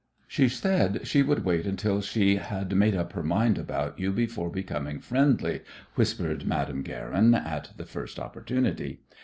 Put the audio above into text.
"She said she would wait until she had made up her mind about you before becoming friendly," whispered Madame Guerin at the first opportunity.